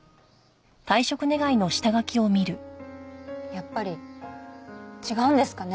やっぱり違うんですかね